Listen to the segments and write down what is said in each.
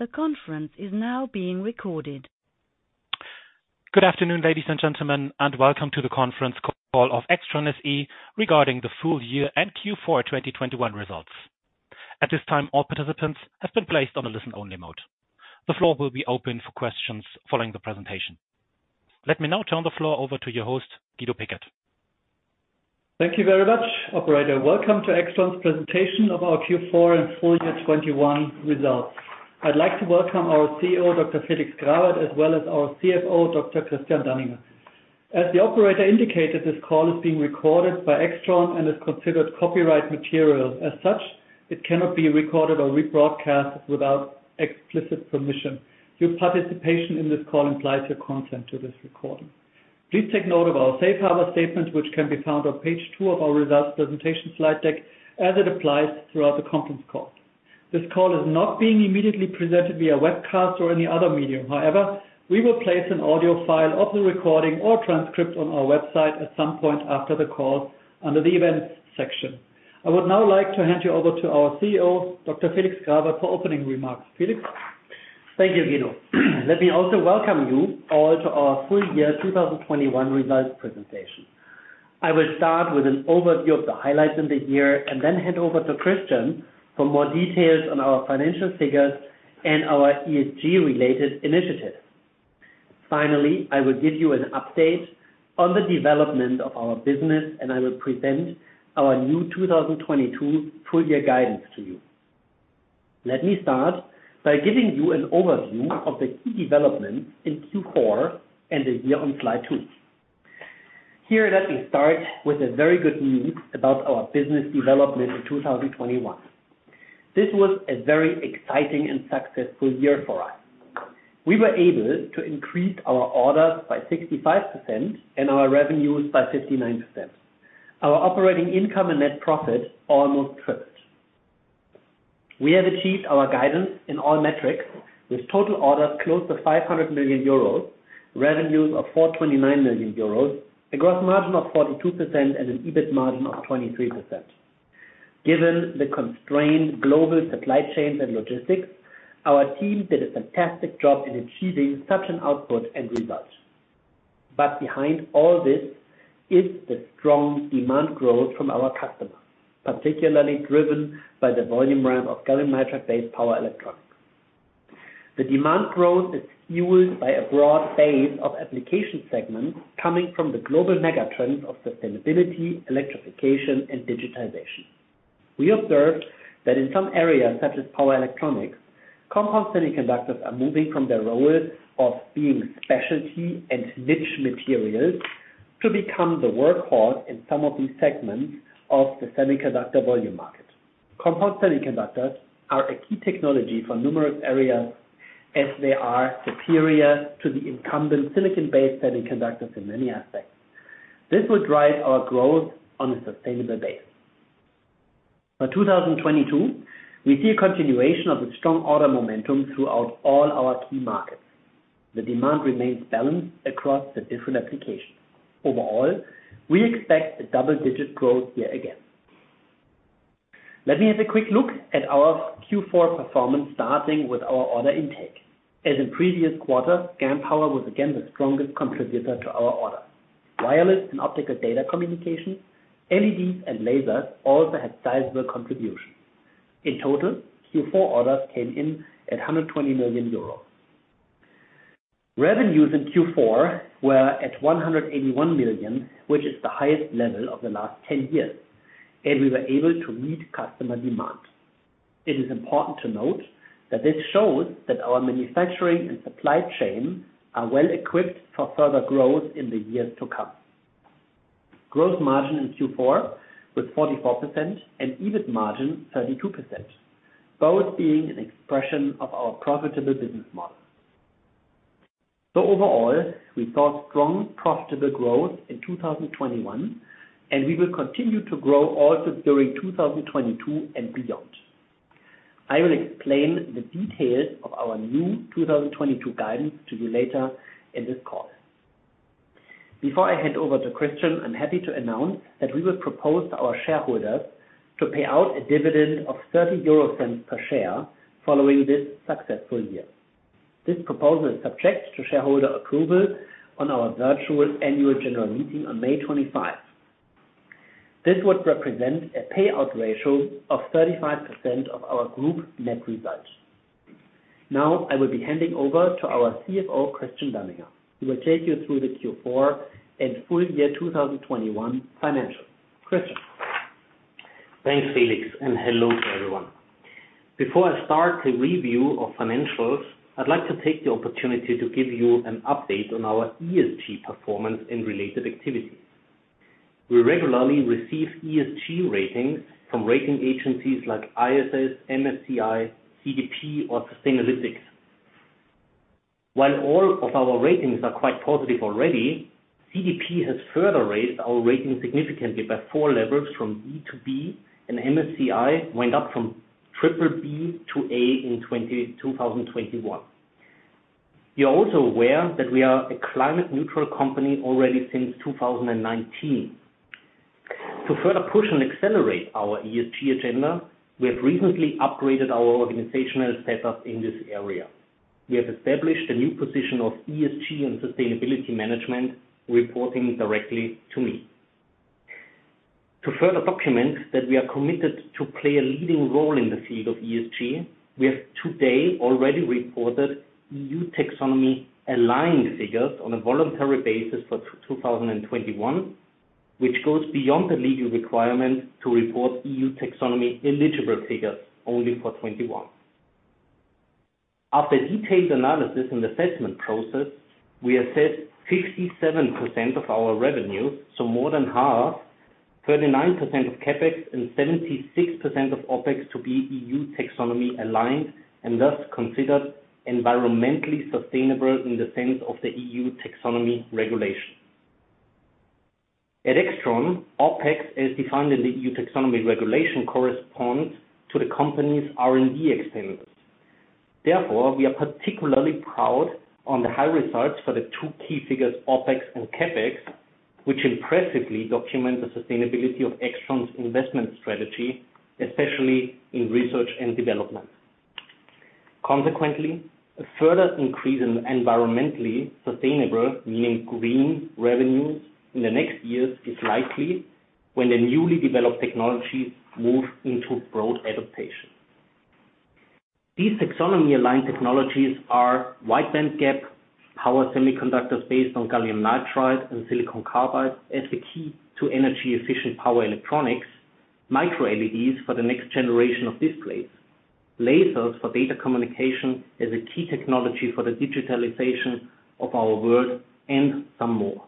The conference is now being recorded. Good afternoon, ladies and gentlemen, and welcome to the conference call of AIXTRON SE regarding the full year and Q4 2021 results. At this time, all participants have been placed on a listen-only mode. The floor will be open for questions following the presentation. Let me now turn the floor over to your host, Guido Pickert. Thank you very much, operator. Welcome to AIXTRON's presentation of our Q4 and full year 2021 results. I'd like to welcome our CEO, Dr. Felix Grawert, as well as our CFO, Dr. Christian Danninger. As the operator indicated, this call is being recorded by AIXTRON and is considered copyright material. As such, it cannot be recorded or rebroadcast without explicit permission. Your participation in this call implies your consent to this recording. Please take note of our safe harbor statement, which can be found on page two of our results presentation slide deck, as it applies throughout the conference call. This call is not being immediately presented via webcast or any other medium. However, we will place an audio file of the recording or transcript on our website at some point after the call under the Events section. I would now like to hand you over to our CEO, Dr. Felix Grawert, for opening remarks. Felix. Thank you, Guido. Let me also welcome you all to our full year 2021 results presentation. I will start with an overview of the highlights in the year and then hand over to Christian for more details on our financial figures and our ESG related initiatives. Finally, I will give you an update on the development of our business, and I will present our new 2022 full year guidance to you. Let me start by giving you an overview of the key developments in Q4 and the year on slide two. Here let me start with the very good news about our business development in 2021. This was a very exciting and successful year for us. We were able to increase our orders by 65% and our revenues by 59%. Our operating income and net profit almost tripled. We have achieved our guidance in all metrics, with total orders close to 500 million euros, revenues of 429 million euros, a gross margin of 42%, and an EBIT margin of 23%. Given the constrained global supply chains and logistics, our team did a fantastic job in achieving such an output and result. Behind all this is the strong demand growth from our customers, particularly driven by the volume ramp of gallium nitride-based power electronics. The demand growth is fueled by a broad base of application segments coming from the global mega-trends of sustainability, electrification, and digitization. We observed that in some areas, such as power electronics, compound semiconductors are moving from their roles of being specialty and niche materials to become the workhorse in some of these segments of the semiconductor volume market. Compound semiconductors are a key technology for numerous areas as they are superior to the incumbent silicon-based semiconductors in many aspects. This will drive our growth on a sustainable base. For 2022, we see a continuation of the strong order momentum throughout all our key markets. The demand remains balanced across the different applications. Overall, we expect a double-digit growth year again. Let me have a quick look at our Q4 performance, starting with our order intake. As in previous quarters, GaN power was again the strongest contributor to our orders. Wireless and optical data communication, LEDs, and lasers also had sizable contributions. In total, Q4 orders came in at 120 million euro. Revenues in Q4 were at 181 million, which is the highest level of the last 10 years, and we were able to meet customer demand. It is important to note that this shows that our manufacturing and supply chain are well equipped for further growth in the years to come. Growth margin in Q4 was 44% and EBIT margin 32%, both being an expression of our profitable business model. Overall, we saw strong profitable growth in 2021, and we will continue to grow also during 2022 and beyond. I will explain the details of our new 2022 guidance to you later in this call. Before I hand over to Christian, I'm happy to announce that we will propose to our shareholders to pay out a dividend of 0.30 per share following this successful year. This proposal is subject to shareholder approval on our virtual annual general meeting on May 25. This would represent a payout ratio of 35% of our group net results. Now I will be handing over to our CFO, Christian Danninger, who will take you through the Q4 and full year 2021 financials. Christian. Thanks, Felix, and hello to everyone. Before I start the review of financials, I'd like to take the opportunity to give you an update on our ESG performance and related activities. We regularly receive ESG ratings from rating agencies like ISS, MSCI, CDP or Sustainalytics. While all of our ratings are quite positive already, CDP has further raised our rating significantly by four levels from D to B, and MSCI went up from triple B to A in 2021. You're also aware that we are a climate neutral company already since 2019. To further push and accelerate our ESG agenda, we have recently upgraded our organizational setup in this area. We have established a new position of ESG and sustainability management, reporting directly to me. To further document that we are committed to play a leading role in the field of ESG, we have today already reported EU taxonomy aligned figures on a voluntary basis for 2021, which goes beyond the legal requirement to report EU taxonomy eligible figures only for 2021. After detailed analysis and assessment process, we have said 57% of our revenue, so more than half, 39% of CapEx and 76% of OpEx to be EU taxonomy aligned and thus considered environmentally sustainable in the sense of the EU taxonomy regulation. At AIXTRON, OpEx, as defined in the EU taxonomy regulation, corresponds to the company's R&D expenditures. Therefore, we are particularly proud on the high results for the two key figures, OpEx and CapEx, which impressively document the sustainability of AIXTRON's investment strategy, especially in research and development. Consequently, a further increase in environmentally sustainable, meaning green revenues in the next years is likely when the newly developed technologies move into broad adoption. These taxonomy-aligned technologies are wide-bandgap power semiconductors based on gallium nitride and silicon carbide as the key to energy-efficient power electronics, micro LEDs for the next generation of displays, lasers for data communication, which is a key technology for the digitalization of our world and some more.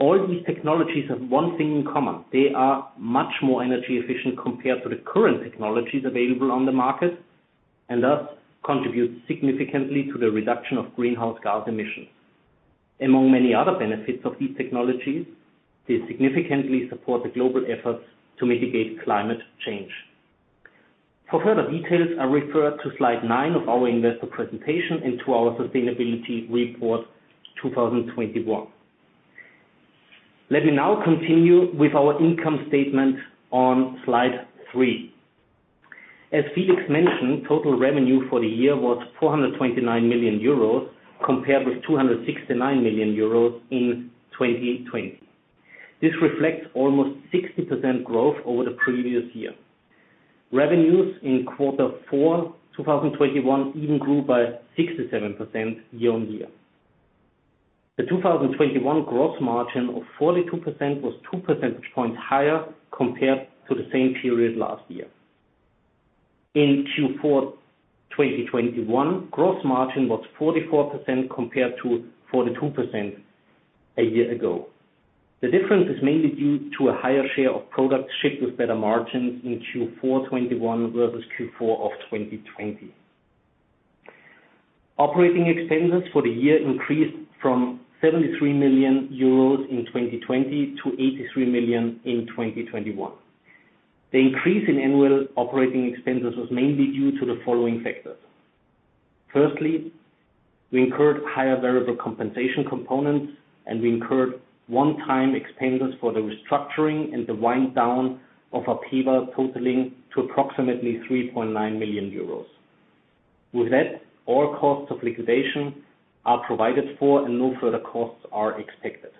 All these technologies have one thing in common. They are much more energy efficient compared to the current technologies available on the market and thus contribute significantly to the reduction of greenhouse gas emissions. Among many other benefits of these technologies, they significantly support the global efforts to mitigate climate change. For further details, I refer to slide nine in our investor presentation and to our sustainability report 2021. Let me now continue with our income statement on slide three. As Felix mentioned, total revenue for the year was 429 million euros, compared with 269 million euros in 2020. This reflects almost 60% growth over the previous year. Revenues in Q4 2021 even grew by 67% year-on-year. The 2021 gross margin of 42% was 2 percentage points higher compared to the same period last year. In Q4 2021, gross margin was 44% compared to 42% a year ago. The difference is mainly due to a higher share of products shipped with better margins in Q4 2021 versus Q4 of 2020. Operating expenses for the year increased from 73 million euros in 2020 to 83 million in 2021. The increase in annual operating expenses was mainly due to the following factors. Firstly, we incurred higher variable compensation components, and we incurred one-time expenses for the restructuring and the wind-down of APEVA totaling approximately 3.9 million euros. With that, all costs of liquidation are provided for and no further costs are expected.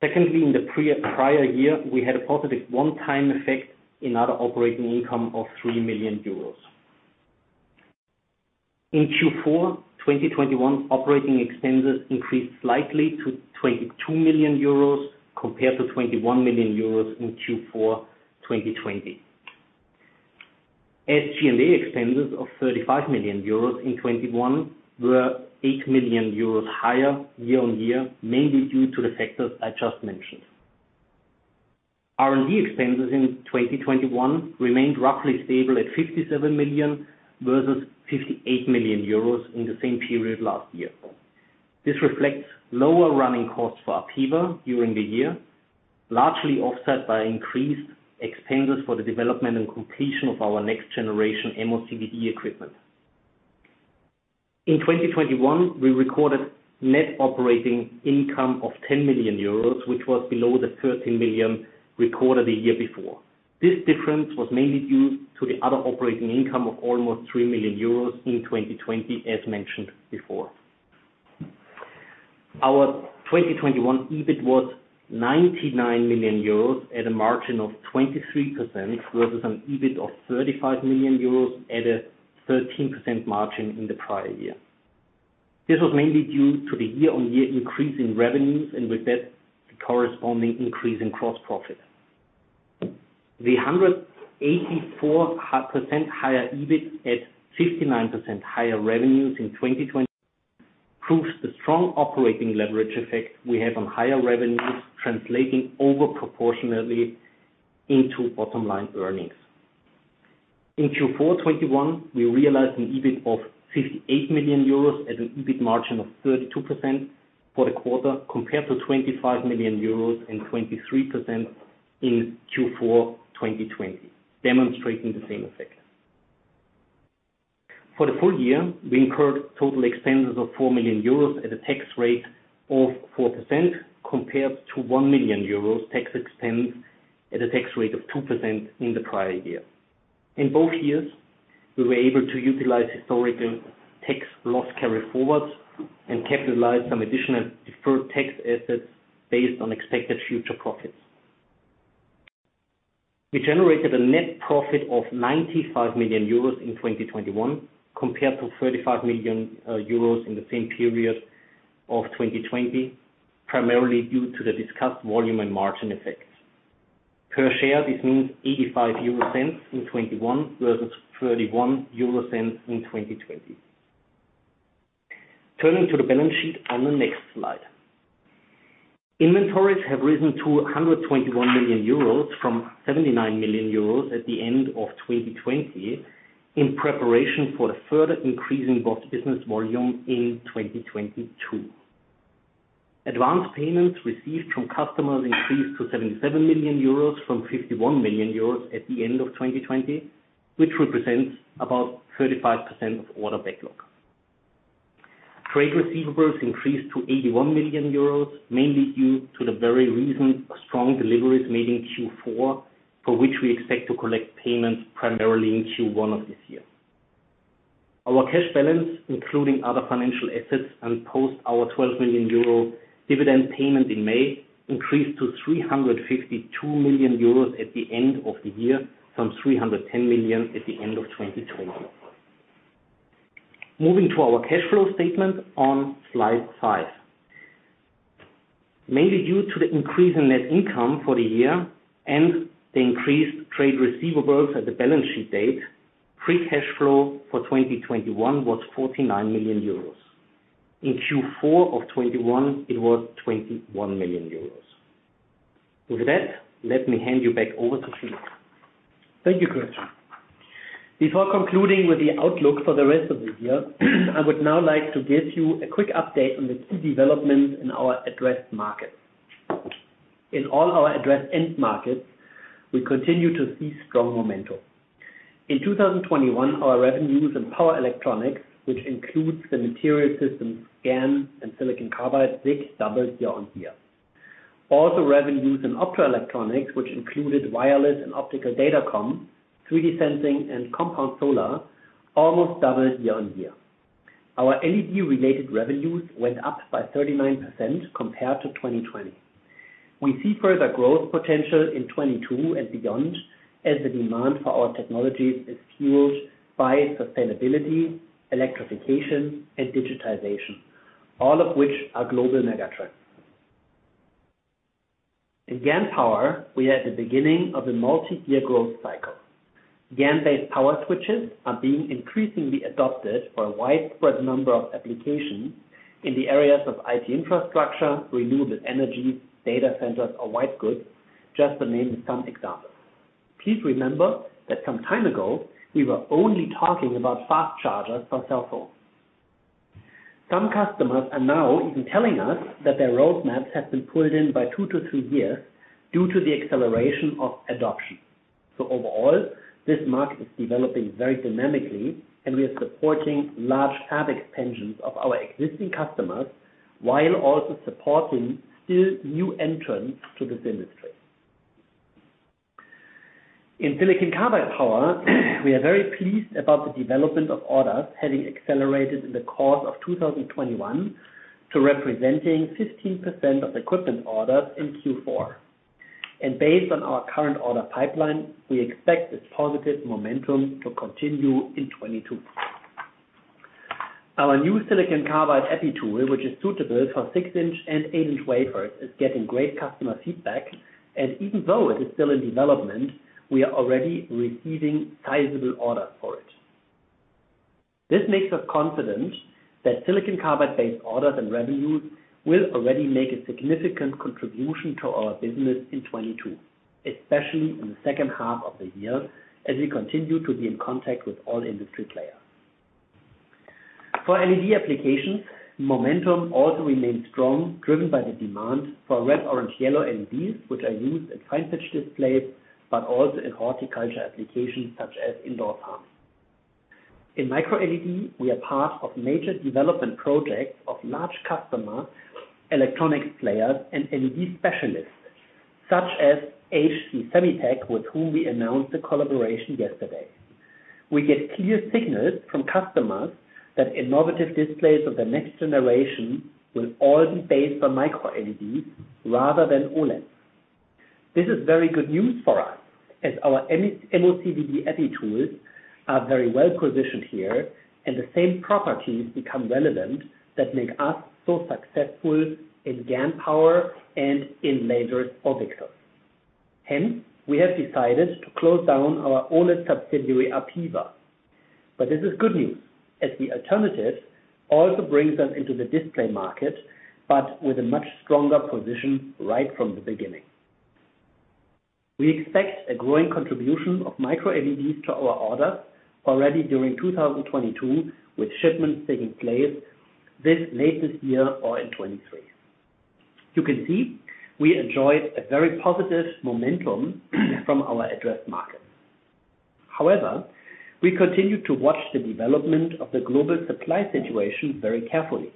Secondly, in the prior year, we had a positive one-time effect in other operating income of 3 million euros. In Q4 2021 operating expenses increased slightly to 22 million euros compared to 21 million euros in Q4 2020. SG&A expenses of 35 million euros in 2021 were 8 million euros higher year-on-year, mainly due to the factors I just mentioned. R&D expenses in 2021 remained roughly stable at 57 million versus 58 million euros in the same period last year. This reflects lower running costs for APEVA during the year, largely offset by increased expenses for the development and completion of our next generation MOCVD equipment. In 2021, we recorded net operating income of 10 million euros, which was below the 13 million recorded the year before. This difference was mainly due to the other operating income of almost 3 million euros in 2020, as mentioned before. Our 2021 EBIT was 99 million euros at a margin of 23%, versus an EBIT of 35 million euros at a 13% margin in the prior year. This was mainly due to the year-on-year increase in revenues and with that, the corresponding increase in gross profit. The 184% higher EBIT at 59% higher revenues in 2021 proves the strong operating leverage effect we have on higher revenues translating over proportionally into bottom line earnings. In Q4 2021, we realized an EBIT of 58 million euros at an EBIT margin of 32% for the quarter, compared to 25 million euros and 23% in Q4 2020, demonstrating the same effect. For the full year, we incurred tax expenses of 4 million euros at a tax rate of 4% compared to 1 million euros tax expense at a tax rate of 2% in the prior year. In both years, we were able to utilize historical tax loss carry-forwards and capitalize some additional deferred tax assets based on expected future profits. We generated a net profit of 95 million euros in 2021 compared to 35 million euros in the same period of 2020, primarily due to the discussed volume and margin effects. Per share, this means €0.85 in 2021 versus €0.31 in 2020. Turning to the balance sheet on the next slide. Inventories have risen to 121 million euros from 79 million euros at the end of 2020 in preparation for the further increase in both business volume in 2022. Advanced payments received from customers increased to 77 million euros from 51 million euros at the end of 2020, which represents about 35% of order backlog. Trade receivables increased to 81 million euros, mainly due to the very recent strong deliveries made in Q4, for which we expect to collect payments primarily in Q1 of this year. Our cash balance, including other financial assets and post our 12 million euro dividend payment in May, increased to 352 million euros at the end of the year from 310 million at the end of 2020. Moving to our cash flow statement on slide five. Mainly due to the increase in net income for the year and the increased trade receivables at the balance sheet date, free cash flow for 2021 was 49 million euros. In Q4 of 2021, it was 21 million euros. With that, let me hand you back over to Felix. Thank you, Christian. Before concluding with the outlook for the rest of the year, I would now like to give you a quick update on the key developments in our addressable markets. In all our addressable end markets, we continue to see strong momentum. In 2021, our revenues in power electronics, which includes the material systems, GaN and silicon carbide, SiC, doubled year-on-year. Also, revenues in optoelectronics, which included wireless and optical datacom, 3D sensing and compound solar, almost doubled year-on-year. Our LED related revenues went up by 39% compared to 2020. We see further growth potential in 2022 and beyond, as the demand for our technologies is fueled by sustainability, electrification, and digitization, all of which are global megatrends. In GaN power, we are at the beginning of a multi-year growth cycle. GaN-based power switches are being increasingly adopted for a widespread number of applications in the areas of IT infrastructure, renewable energy, data centers or white goods, just to name some examples. Please remember that some time ago, we were only talking about fast chargers for cell phones. Some customers are now even telling us that their roadmaps have been pulled in by two-three years due to the acceleration of adoption. Overall, this market is developing very dynamically, and we are supporting large fab expansions of our existing customers while also supporting still new entrants to this industry. In silicon carbide power, we are very pleased about the development of orders having accelerated in the course of 2021 to representing 15% of equipment orders in Q4. Based on our current order pipeline, we expect this positive momentum to continue in 2022. Our new silicon carbide epi tool, which is suitable for 6-inch and 8-inch wafers, is getting great customer feedback. Even though it is still in development, we are already receiving sizable orders for it. This makes us confident that silicon carbide-based orders and revenues will already make a significant contribution to our business in 2022, especially in the second half of the year, as we continue to be in contact with all industry players. For LED applications, momentum also remains strong, driven by the demand for red, orange, yellow LEDs, which are used in fine pitch displays, but also in horticulture applications such as indoor farms. In Micro LED, we are part of major development projects of large customer electronics players and LED specialists, such as HC Semitek, with whom we announced the collaboration yesterday. We get clear signals from customers that innovative displays of the next generation will all be based on Micro LED rather than OLEDs. This is very good news for us, as our MOCVD epi tools are very well positioned here, and the same properties become relevant that make us so successful in GaN power and in lasers or VCSELs. Hence, we have decided to close down our OLED subsidiary, APEVA. This is good news, as the alternative also brings us into the display market, but with a much stronger position right from the beginning. We expect a growing contribution of Micro LEDs to our orders already during 2022, with shipments taking place late this year or in 2023. You can see we enjoyed a very positive momentum from our addressable market. However, we continue to watch the development of the global supply situation very carefully,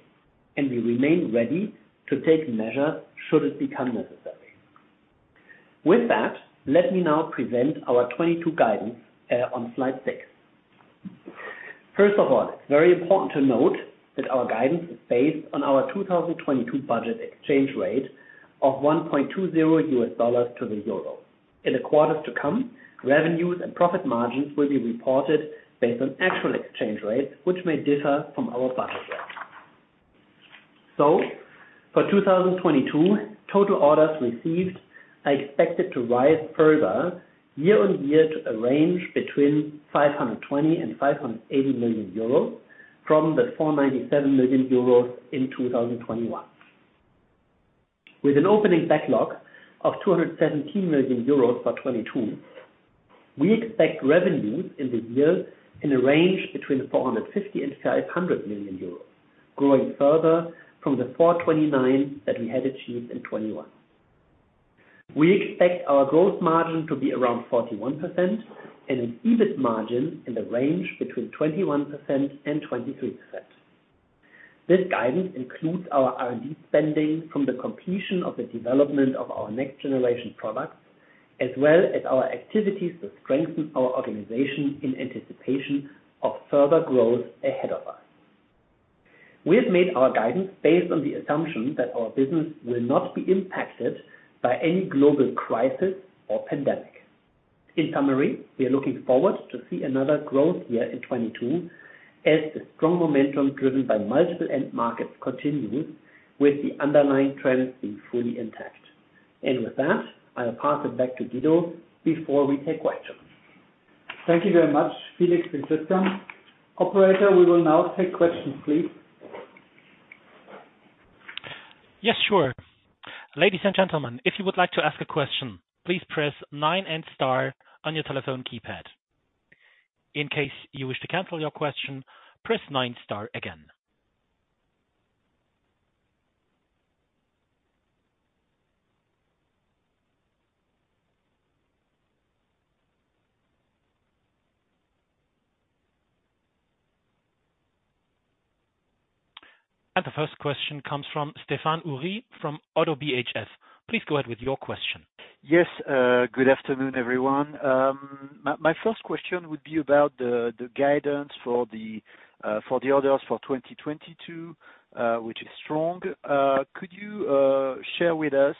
and we remain ready to take measure should it become necessary. With that, let me now present our 2022 guidance on slide six. First of all, it's very important to note that our guidance is based on our 2022 budget exchange rate of 1.20 US dollars to the euro. In the quarters to come, revenues and profit margins will be reported based on actual exchange rates, which may differ from our budget rate. For 2022, total orders received are expected to rise further year on year to a range between 520 million and 580 million euros from the 497 million euros in 2021. With an opening backlog of 217 million euros for 2022, we expect revenues in the year in a range between 450 million and 500 million euros, growing further from the 429 million that we had achieved in 2021. We expect our gross margin to be around 41% and an EBIT margin in the range between 21% and 23%. This guidance includes our R&D spending from the completion of the development of our next generation products, as well as our activities to strengthen our organization in anticipation of further growth ahead of us. We have made our guidance based on the assumption that our business will not be impacted by any global crisis or pandemic. In summary, we are looking forward to see another growth year in 2022 as the strong momentum driven by multiple end markets continue with the underlying trends being fully intact. With that, I'll pass it back to Guido before we take questions. Thank you very much, Felix and Christian. Operator, we will now take questions, please. Yes, sure. Ladies and gentlemen, if you would like to ask a question, please press nine and star on your telephone keypad. In case you wish to cancel your question, press nine star again. The first question comes from Stéphane Houri from ODDO BHF. Please go ahead with your question. Yes, good afternoon, everyone. My first question would be about the guidance for the orders for 2022, which is strong. Could you share with us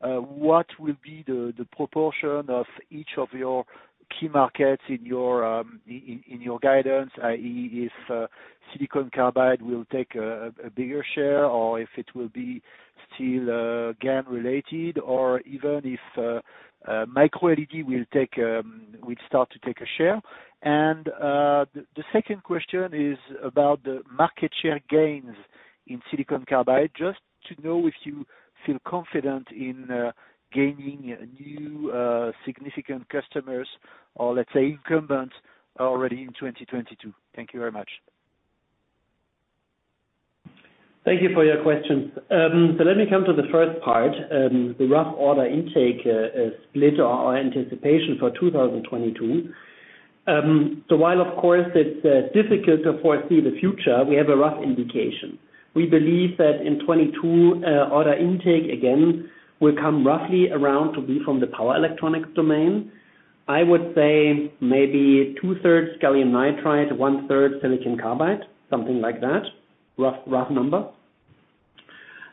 what will be the proportion of each of your key markets in your guidance, i.e., if silicon carbide will take a bigger share or if it will be still GaN related, or even if Micro LED will start to take a share. The second question is about the market share gains in silicon carbide. Just to know if you feel confident in gaining new significant customers or let's say incumbents already in 2022. Thank you very much. Thank you for your questions. Let me come to the first part, the rough order intake, split or anticipation for 2022. While of course it's difficult to foresee the future, we have a rough indication. We believe that in 2022, order intake again will come roughly around to be from the power electronics domain. I would say maybe two-thirds gallium nitride, one-third silicon carbide, something like that. Rough number.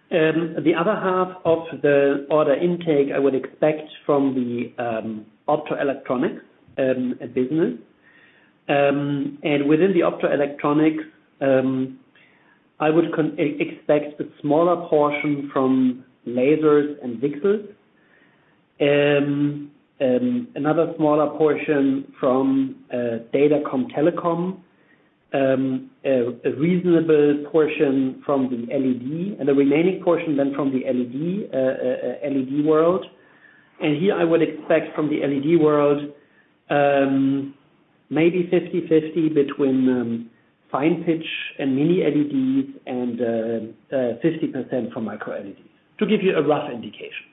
The other half of the order intake I would expect from the optoelectronics business. Within the optoelectronics, I would expect a smaller portion from lasers and VCSELs. Another smaller portion from Datacom Telecom, a reasonable portion from the LED, and the remaining portion then from the LED world. Here I would expect from the LED world, maybe 50-50 between fine pitch and mini LEDs and 50% from micro LEDs, to give you a rough indication.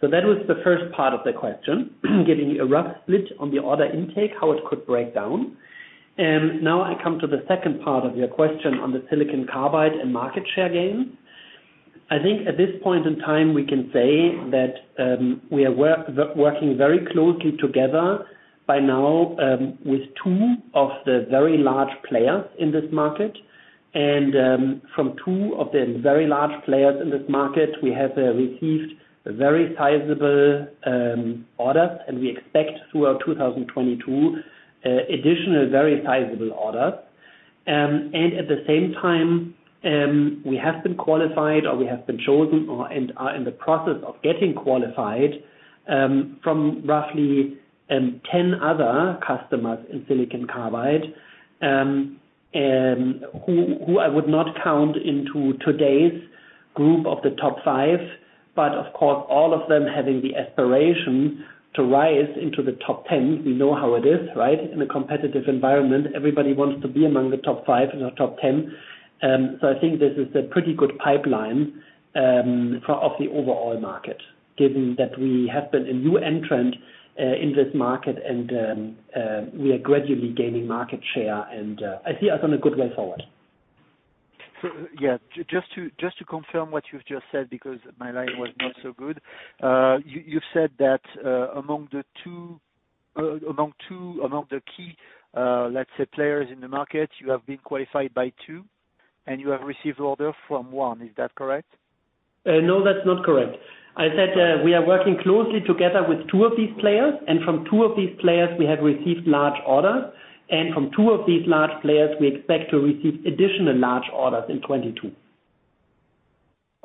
That was the first part of the question, giving you a rough split on the order intake, how it could break down. Now I come to the second part of your question on the silicon carbide and market share gain. I think at this point in time, we can say that we are working very closely together by now with two of the very large players in this market. From two of the very large players in this market, we have received very sizable orders, and we expect throughout 2022 additional very sizable orders. At the same time, we have been qualified and are in the process of getting qualified from roughly 10 other customers in silicon carbide, who I would not count into today's group of the top five. Of course, all of them having the aspiration to rise into the top 10. We know how it is, right? In a competitive environment, everybody wants to be among the top five, you know, top 10. I think this is a pretty good pipeline for the overall market, given that we have been a new entrant in this market and we are gradually gaining market share and I see us on a good way forward. Just to confirm what you've just said, because my line was not so good. You said that among the key players in the market, you have been qualified by two and you have received order from one. Is that correct? No, that's not correct. I said, we are working closely together with two of these players, and from two of these players we have received large orders, and from two of these large players we expect to receive additional large orders in 2022.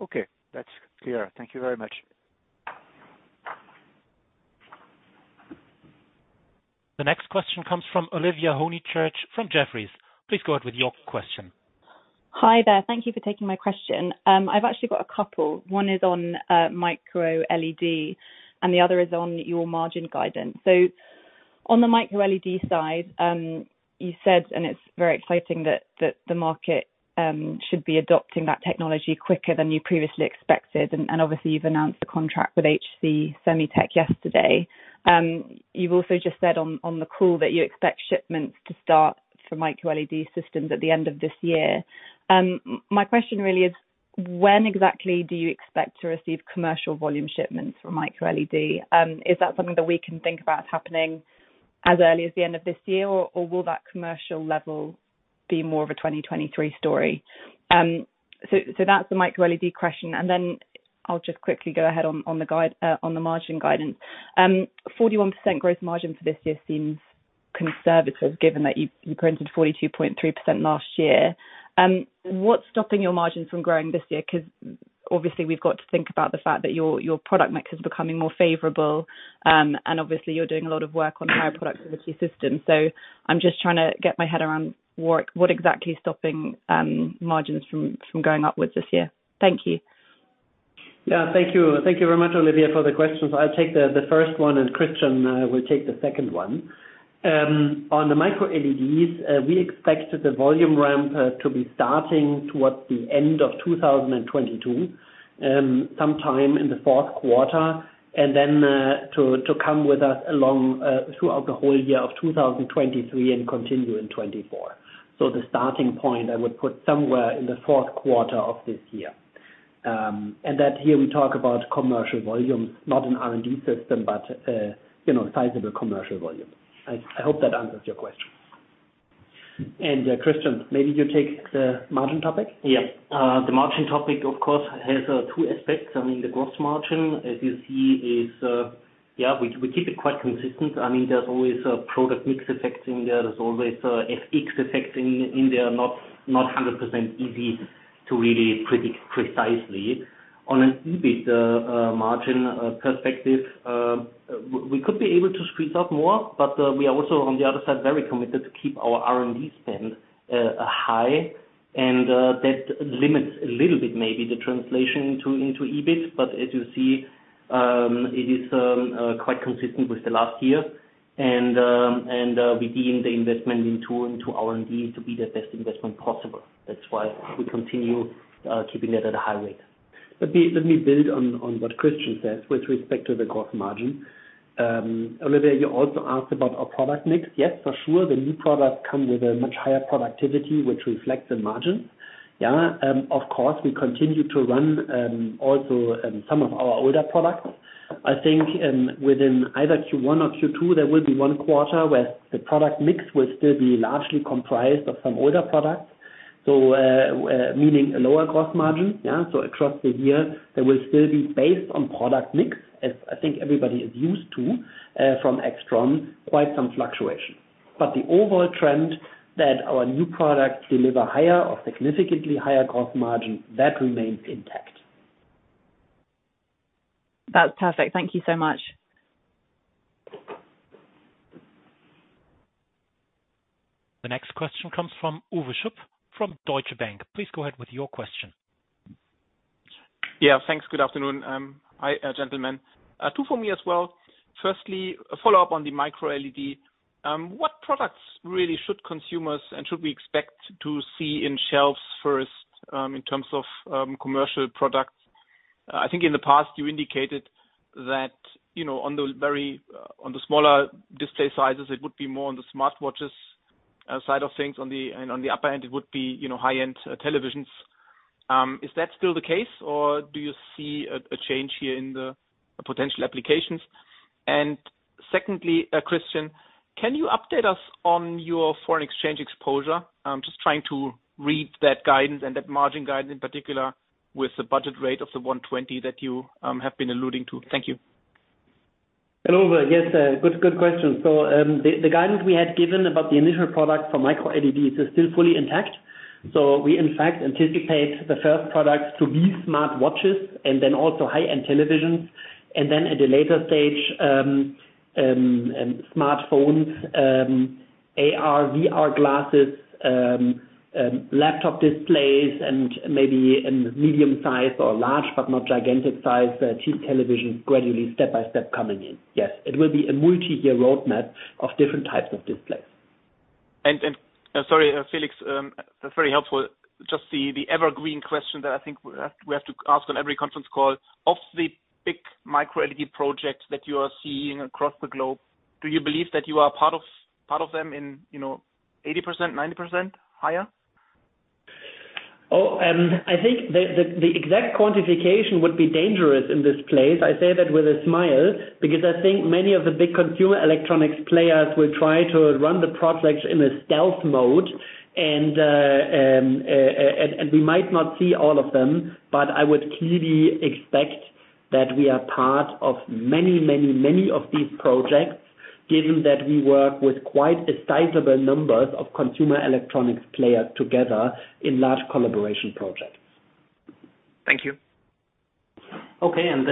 Okay, that's clear. Thank you very much. The next question comes from Olivia Honychurch from Jefferies. Please go ahead with your question. Hi there. Thank you for taking my question. I've actually got a couple. One is on Micro LED and the other is on your margin guidance. On the Micro LED side, you said, and it's very exciting that the market should be adopting that technology quicker than you previously expected. Obviously you've announced the contract with HC Semitek yesterday. You've also just said on the call that you expect shipments to start for Micro LED systems at the end of this year. My question really is when exactly do you expect to receive commercial volume shipments for Micro LED? Is that something that we can think about happening as early as the end of this year? Or will that commercial level be more of a 2023 story? That's the Micro LED question. On the margin guidance. 41% gross margin for this year seems conservative, given that you printed 42.3% last year. What's stopping your margins from growing this year? 'Cause obviously we've got to think about the fact that your product mix is becoming more favorable. Obviously you're doing a lot of work on higher productivity systems. I'm just trying to get my head around what exactly is stopping margins from going upwards this year. Thank you. Yeah, thank you. Thank you very much, Olivia, for the questions. I'll take the first one and Christian will take the second one. On the Micro LEDs, we expect the volume ramp to be starting towards the end of 2022, sometime in the fourth quarter. Then, to come with us along throughout the whole year of 2023 and continue in 2024. The starting point I would put somewhere in the fourth quarter of this year. And that here we talk about commercial volumes, not an R&D system, but you know, sizable commercial volume. I hope that answers your question. Christian, maybe you take the margin topic. The margin topic of course has two aspects. I mean, the gross margin, as you see, is quite consistent. We keep it quite consistent. I mean, there's always a product mix effect in there. There's always a FX effect in there, not 100% easy to really predict precisely. On an EBIT margin perspective, we could be able to squeeze out more, but we are also, on the other side, very committed to keep our R&D spend high. That limits a little bit maybe the translation into EBIT. As you see, it is quite consistent with the last year. We deem the investment into R&D to be the best investment possible. That's why we continue keeping that at a high rate. Let me build on what Christian says with respect to the gross margin. Olivia, you also asked about our product mix. Yes, for sure, the new products come with a much higher productivity, which reflects the margin. Yeah. Of course, we continue to run also some of our older products. I think within either Q1 or Q2, there will be one quarter where the product mix will still be largely comprised of some older products. Meaning a lower gross margin. Yeah. Across the year, there will still be based on product mix, as I think everybody is used to from AIXTRON, quite some fluctuation. The overall trend that our new products deliver higher or significantly higher gross margin remains intact. That's perfect. Thank you so much. The next question comes from Uwe Schupp from Deutsche Bank. Please go ahead with your question. Yeah, thanks. Good afternoon. Hi, gentlemen. Two for me as well. Firstly, a follow-up on the Micro LED. What products really should consumers and should we expect to see on shelves first, in terms of commercial products? I think in the past you indicated that, you know, on the smaller display sizes, it would be more on the smartwatches side of things. On the upper end it would be, you know, high-end televisions. Is that still the case, or do you see a change here in the potential applications? Secondly, Christian, can you update us on your foreign exchange exposure? I'm just trying to read that guidance and that margin guidance in particular with the budget rate of the 1.20 that you have been alluding to. Thank you. Uwe, yes, good question. The guidance we had given about the initial product for Micro LEDs is still fully intact. We in fact anticipate the first products to be smartwatches and then also high-end televisions. Then at a later stage, smartphones, AR, VR glasses, laptop displays and maybe in medium size or large, but not gigantic size, to televisions gradually step-by-step coming in. Yes, it will be a multi-year roadmap of different types of displays. Sorry, Felix, very helpful. Just the evergreen question that I think we have to ask on every conference call. Of the big Micro LED projects that you are seeing across the globe, do you believe that you are part of them in, you know, 80%, 90%, higher? I think the exact quantification would be dangerous in this place. I say that with a smile because I think many of the big consumer electronics players will try to run the projects in a stealth mode. We might not see all of them, but I would clearly expect that we are part of many of these projects, given that we work with quite a sizable numbers of consumer electronics players together in large collaboration projects. Thank you. Okay. I'm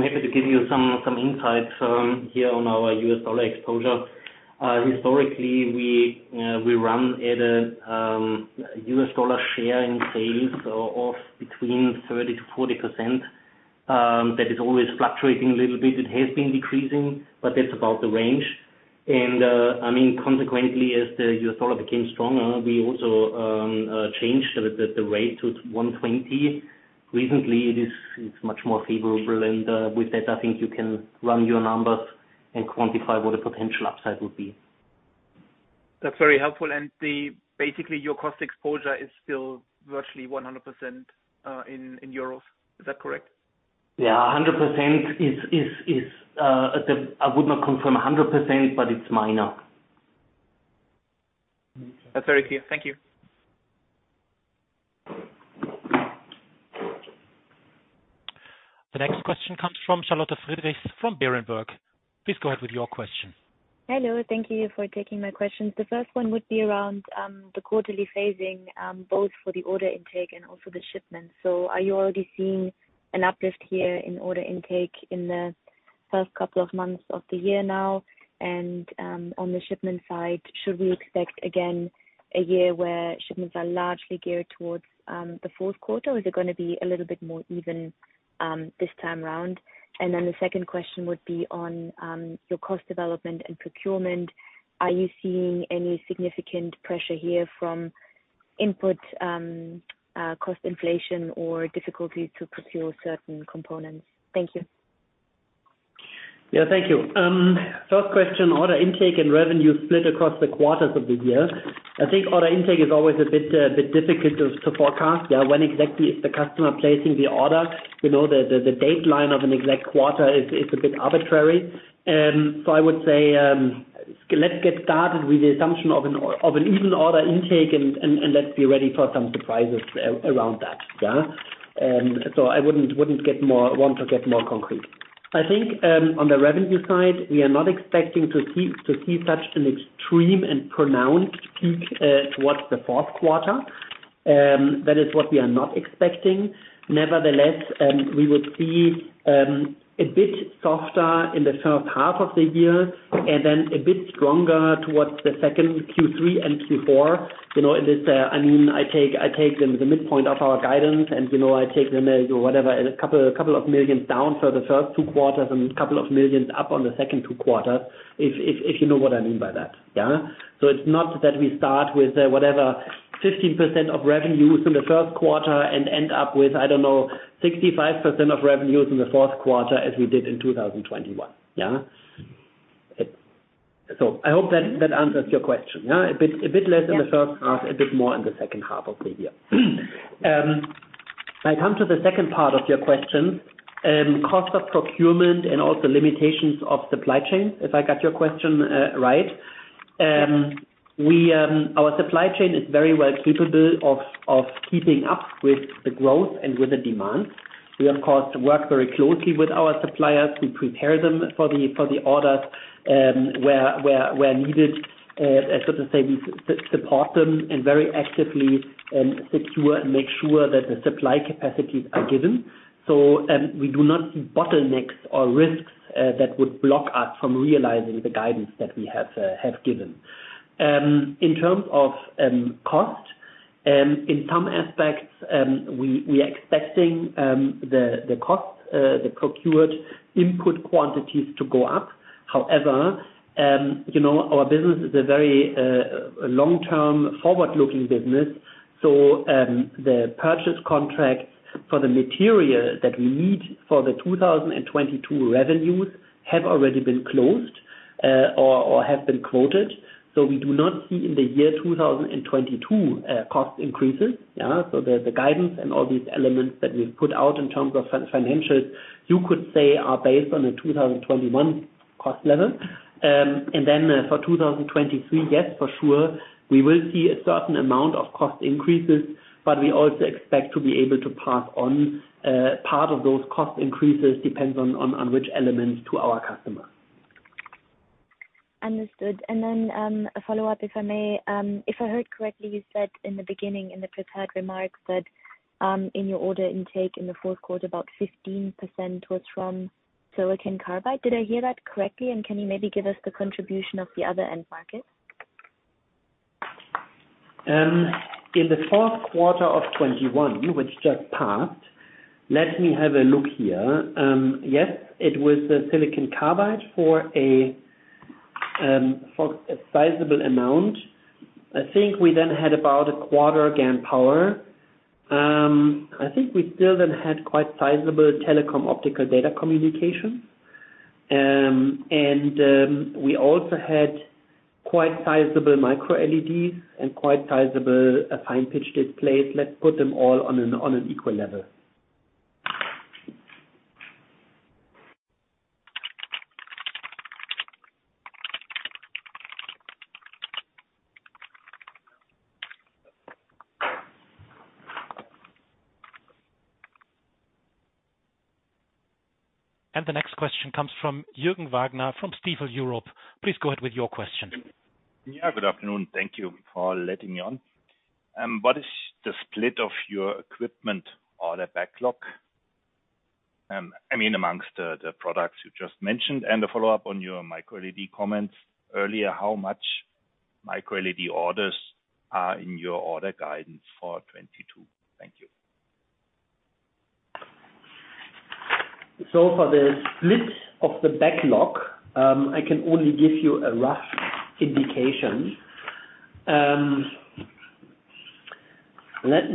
happy to give you some insights here on our U.S. dollar exposure. Historically, we run at a U.S. dollar share in sales of between 30%-40%, that is always fluctuating a little bit. It has been decreasing, but that's about the range. I mean, consequently, as the U.S. dollar became stronger, we also changed the rate to 1.20. Recently, it is much more favorable. With that, I think you can run your numbers and quantify what the potential upside would be. That's very helpful. Basically, your cost exposure is still virtually 100%, in EUR. Is that correct? Yeah. I would not confirm 100%, but it's minor. That's very clear. Thank you. The next question comes from Charlotte Friedrichs from Berenberg. Please go ahead with your question. Hello. Thank you for taking my questions. The first one would be around the quarterly phasing both for the order intake and also the shipments. Are you already seeing an uplift here in order intake in the first couple of months of the year now? On the shipment side, should we expect again a year where shipments are largely geared towards the fourth quarter, or is it gonna be a little bit more even this time around? The second question would be on your cost development and procurement. Are you seeing any significant pressure here from input cost inflation or difficulty to procure certain components? Thank you. Yeah, thank you. First question, order intake and revenue split across the quarters of the year. I think order intake is always a bit difficult to forecast. Yeah. When exactly is the customer placing the order? You know, the deadline of an exact quarter is a bit arbitrary. I would say, let's get started with the assumption of an even order intake and let's be ready for some surprises around that. Yeah. I wouldn't want to get more concrete. I think, on the revenue side, we are not expecting to see such an extreme and pronounced peak towards the fourth quarter. That is what we are not expecting. Nevertheless, we would see a bit softer in the first half of the year, and then a bit stronger towards the second half, Q3 and Q4. You know, in this, I mean, I take the midpoint of our guidance, and you know, I take them as whatever, a couple of million EUR down for the first two quarters and a couple of million EUR up on the second two quarters, if you know what I mean by that. Yeah. It's not that we start with whatever 15% of revenues in the first quarter and end up with, I don't know, 65% of revenues in the fourth quarter as we did in 2021. Yeah. I hope that that answers your question. Yeah. A bit less- Yeah. In the first half, a bit more in the second half of the year. I come to the second part of your question, cost of procurement and also limitations of supply chain, if I got your question right. Our supply chain is very well suitable of keeping up with the growth and with the demand. We of course work very closely with our suppliers. We prepare them for the orders, where needed. As so to say, we support them and very actively secure and make sure that the supply capacities are given. We do not see bottlenecks or risks that would block us from realizing the guidance that we have given. In terms of cost, in some aspects, we are expecting the cost, the procured input quantities to go up. However, you know, our business is a very long-term forward-looking business. The purchase contract for the material that we need for the 2022 revenues have already been closed, or have been quoted. We do not see in the year 2022 cost increases. Yeah. The guidance and all these elements that we've put out in terms of financials, you could say are based on a 2021 cost level. For 2023, yes, for sure, we will see a certain amount of cost increases, but we also expect to be able to pass on part of those cost increases, depends on which elements to our customers. Understood. A follow-up if I may. If I heard correctly, you said in the beginning in the prepared remarks that in your order intake in the fourth quarter, about 15% was from silicon carbide. Did I hear that correctly? Can you maybe give us the contribution of the other end markets? In the fourth quarter of 2021, which just passed, let me have a look here. Yes, it was the silicon carbide for a sizable amount. I think we then had about a quarter GaN power. I think we still then had quite sizable telecom optical data communication. We also had quite sizable Micro LED and quite sizable fine pitch displays. Let's put them all on an equal level. The next question comes from Jürgen Wagner from Stifel Europe. Please go ahead with your question. Yeah, good afternoon. Thank you for letting me on. What is the split of your equipment order backlog? I mean, among the products you just mentioned, and a follow-up on your Micro LED comments earlier, how much Micro LED orders are in your order guidance for 2022? Thank you. For the split of the backlog, I can only give you a rough indication. Let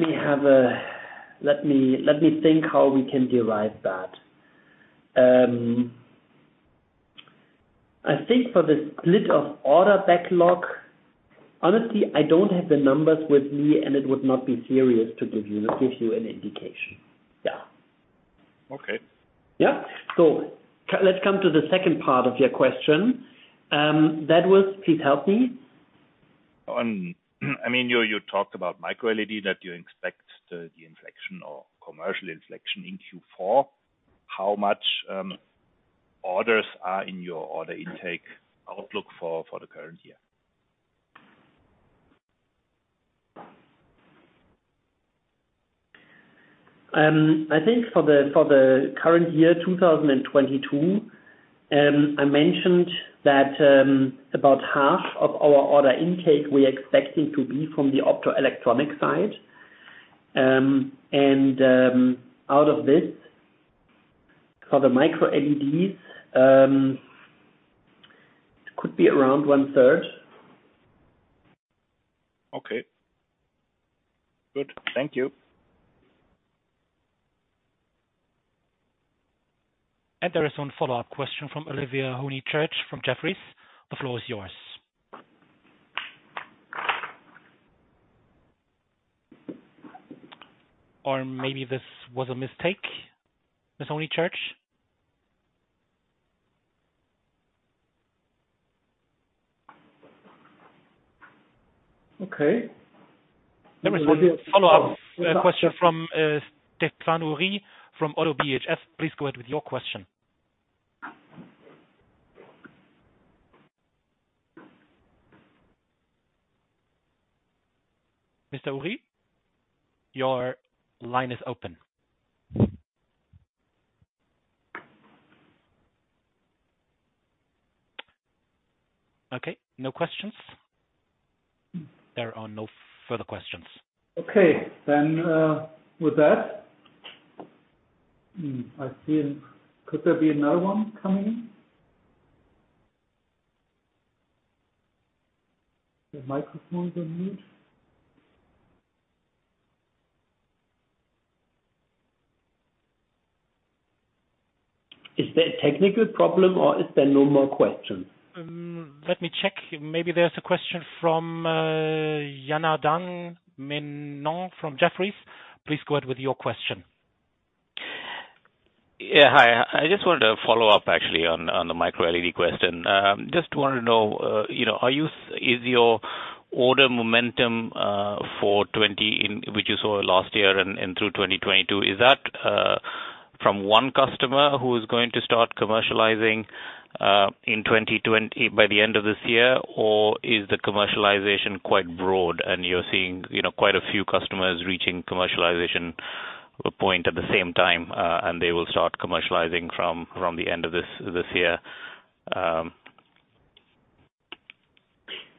me think how we can derive that. I think for the split of order backlog, honestly, I don't have the numbers with me, and it would not be serious to give you. Let me give you an indication. Yeah. Okay. Yeah. Let's come to the second part of your question. That was, please help me. I mean, you talked about Micro LED that you expect the inflection or commercial inflection in Q4. How much orders are in your order intake outlook for the current year? I think for the current year, 2022, I mentioned that about half of our order intake we're expecting to be from the optoelectronic side. Out of this, for the Micro LEDs, it could be around one-third. Okay. Good. Thank you. There is one follow-up question from Olivia Honychurch from Jefferies. The floor is yours. Or maybe this was a mistake, Ms. Honychurch. Okay. There is one follow-up question from Stéphane Houri from ODDO BHF. Please go ahead with your question. Mr. Houri, your line is open. Okay. No questions. There are no further questions. Okay. With that, I see. Could there be another one coming in? The microphone is on mute. Is there a technical problem, or is there no more questions? Let me check. Maybe there's a question from Janardan Menon from Jefferies. Please go ahead with your question. Hi. I just wanted to follow up actually on the Micro LED question. Just wanted to know, you know, is your order momentum for 2023, which you saw last year and through 2022, from one customer who is going to start commercializing in 2023 by the end of this year? Or is the commercialization quite broad and you're seeing, you know, quite a few customers reaching commercialization point at the same time, and they will start commercializing from the end of this year?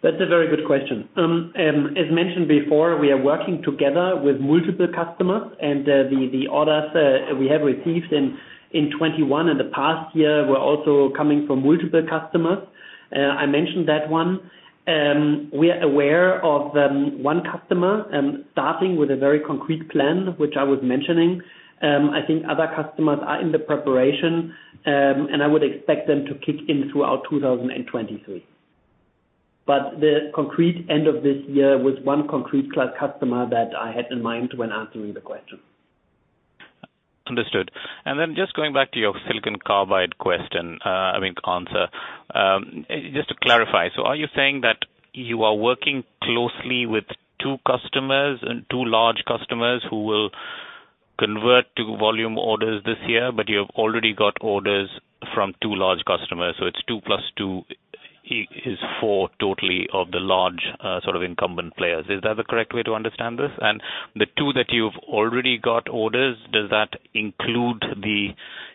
That's a very good question. As mentioned before, we are working together with multiple customers, and the orders we have received in 2021 and the past year were also coming from multiple customers. I mentioned that one. We are aware of one customer starting with a very concrete plan, which I was mentioning. I think other customers are in the preparation, and I would expect them to kick in throughout 2023. The concrete end of this year was one concrete customer that I had in mind when answering the question. Understood. Then just going back to your silicon carbide question, I mean, answer. Just to clarify, are you saying that you are working closely with two customers and two large customers who will convert to volume orders this year, but you've already got orders from two large customers, so it's two plus two is four total of the large, sort of incumbent players. Is that the correct way to understand this? And the two that you've already got orders, does that include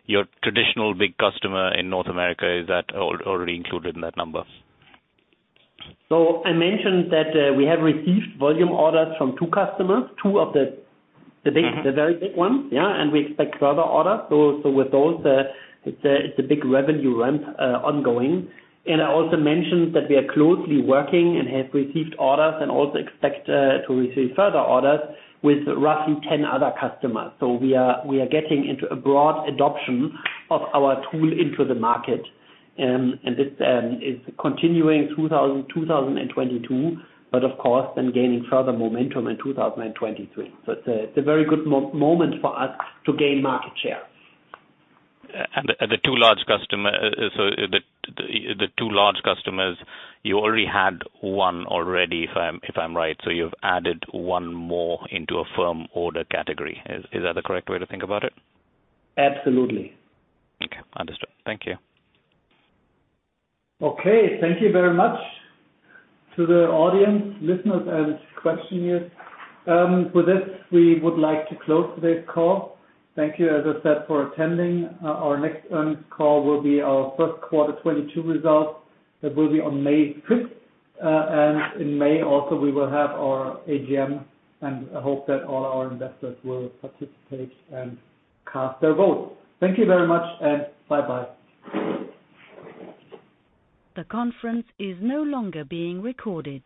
your traditional big customer in North America? Is that already included in that number? I mentioned that we have received volume orders from two customers, two of the big- Mm-hmm. The very big ones, yeah. We expect further orders. With those, it's a big revenue ramp ongoing. I also mentioned that we are closely working and have received orders and also expect to receive further orders with roughly 10 other customers. We are getting into a broad adoption of our tool into the market. This is continuing 2022, but of course then gaining further momentum in 2023. It's a very good moment for us to gain market share. The two large customers, you already had one already, if I'm right. You've added one more into a firm order category. Is that the correct way to think about it? Absolutely. Okay. Understood. Thank you. Okay. Thank you very much to the audience, listeners, and questioners. With this, we would like to close today's call. Thank you, as I said, for attending. Our next earnings call will be our first quarter 2022 results. That will be on May 5th. In May also we will have our AGM, and I hope that all our investors will participate and cast their vote. Thank you very much, and bye-bye. The confrence is no longer being recorded.